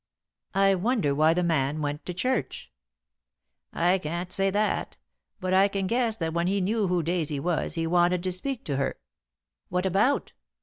"I wonder why the man went to church." "I can't say that; but I can guess that when he knew who Daisy was he wanted to speak to her." "What about?"